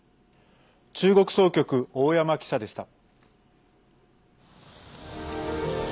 中国総局、大山記者でした。